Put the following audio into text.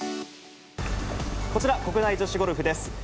こちら、国内女子ゴルフです。